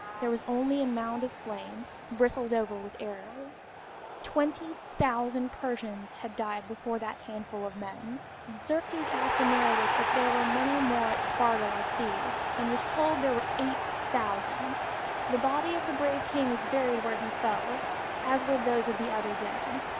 There was only a mound of slain, bristled over with arrows. Twenty thousand Persians had died before that handful of men! Xerxes asked Demaratus if there were many more at Sparta like these, and was told there were 8,000. The body of the brave king was buried where he fell, as were those of the other dead.